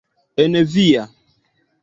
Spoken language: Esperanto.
En via!